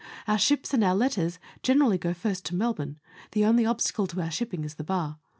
Our ships and our letters generally go first to Melbourne ; the only obstacle to our shipping is the bar.